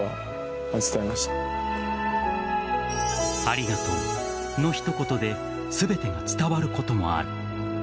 ありがとうの一言で全てが伝わることもある。